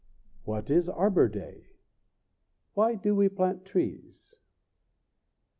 What is Arbor Day? Why need we plant trees?